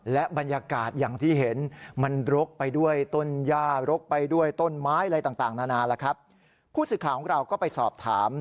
และบรรยากาศอย่างที่เห็นมันรกไปด้วยต้นย่า